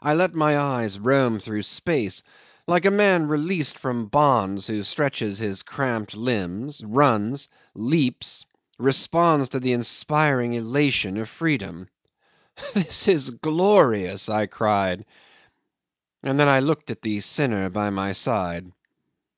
I let my eyes roam through space, like a man released from bonds who stretches his cramped limbs, runs, leaps, responds to the inspiring elation of freedom. "This is glorious!" I cried, and then I looked at the sinner by my side.